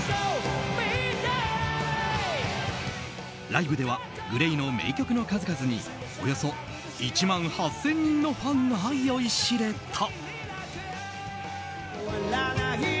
ライブではＧＬＡＹの名曲の数々におよそ１万８０００人のファンが酔いしれた。